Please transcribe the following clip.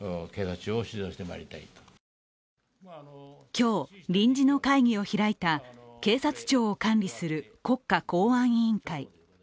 今日、臨時の会議を開いた警察庁を管理する国家公安委員会。